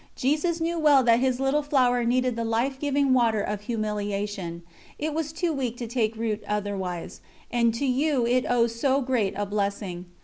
Jesus knew well that His Little Flower needed the life giving water of humiliation it was too weak to take root otherwise, and to you it owes so great a blessing.